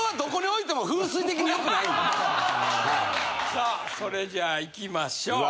さあそれじゃあいきましょう。